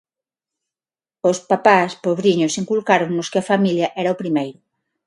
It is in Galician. Os papás, pobriños, inculcáronnos que a familia era o primeiro;